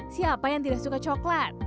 siapa yang tidak suka coklat